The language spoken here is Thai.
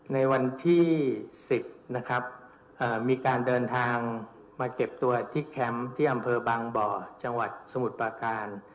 ในวันที่๑๐นะครับมีการเดินทางมาเก็บตัวที่แคมป์ที่อำเภอบางบ่อจังหวัดสมุทรประการ